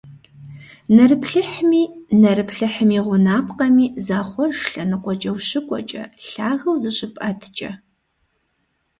Нэрыплъыхьми, нэрыплъыхьым и гъунапкъэми захъуэж лъэныкъуэкӀэ ущыкӀуэкӀэ, лъагэу зыщыпӀэткӀэ.